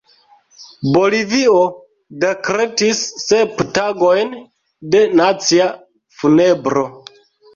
Bolivio dekretis sep tagojn de nacia funebro.